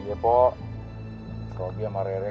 iya pok kalau dia sama rere